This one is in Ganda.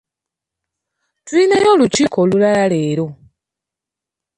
Tulinayo olukiiko olulala leero?